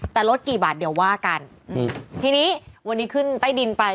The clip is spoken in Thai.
แต่ลดกี่บาทเดี๋ยวว่ากันอืมทีนี้วันนี้ขึ้นใต้ดินไป